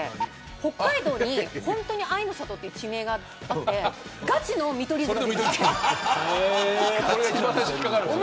北海道に本当にあいの里という地名があってがちの見取り図が出てきた。